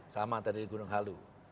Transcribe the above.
sama tadi gunung halu